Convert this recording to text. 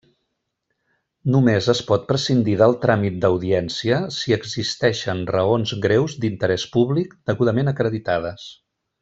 Només es pot prescindir del tràmit d'audiència si existeixen raons greus d'interès públic degudament acreditades.